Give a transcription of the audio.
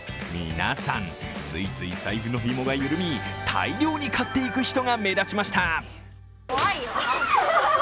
皆さん、ついつい財布のひもが緩み、大量に買っていく人が目立ちました。